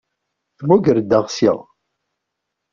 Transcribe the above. Tmugger-d aɣsi.